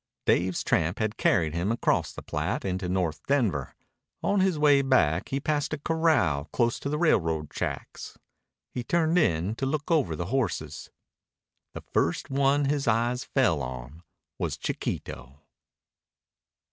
Dave's tramp had carried him across the Platte into North Denver. On his way back he passed a corral close to the railroad tracks. He turned in to look over the horses. The first one his eyes fell on was Chiquito.